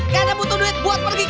karena butuh duit buat pergi ke arab